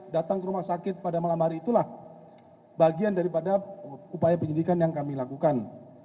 datang ke rumah sakit pada malam hari itulah bagian daripada upaya penyelidikan yang kami lakukan